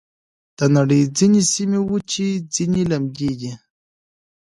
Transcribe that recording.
د نړۍ ځینې سیمې وچې، ځینې لمدې دي.